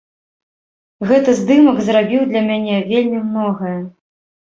Гэты здымак зрабіў для мяне вельмі многае.